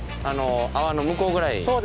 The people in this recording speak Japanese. あの泡の向こうぐらい。